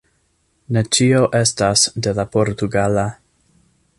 Ne ĉio estas de la portugala,